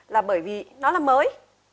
là bởi vì nó là mới